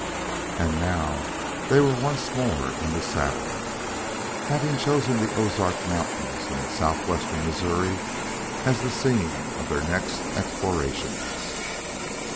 And now they were once more in the saddle, having chosen the Ozark Mountains in southwestern Missouri as the scene of their next explorations.